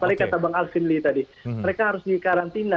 seperti kata bang alvin lee tadi mereka harus di karantina